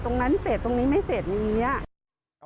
ตรงนั้นเสร็จตรงนี้ไม่เสร็จอย่างนี้